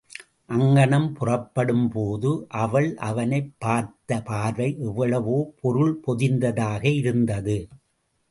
அங்ஙனம் புறப்படும்போது அவள் அவனைப் பார்த்த பார்வை எவ்வளவோ பொருள் பொதிந்ததாக இருந்தது.